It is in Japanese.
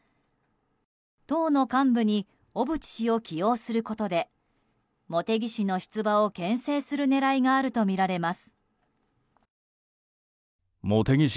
党の幹部に小渕氏を起用することで茂木氏の出馬を牽制する狙いがあるとみられます。